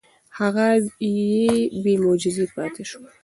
هغه بې معجزې پاتې شوه.